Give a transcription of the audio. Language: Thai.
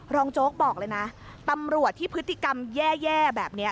โจ๊กบอกเลยนะตำรวจที่พฤติกรรมแย่แบบนี้